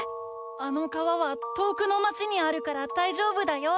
あの川は遠くの町にあるからだいじょうぶだよ。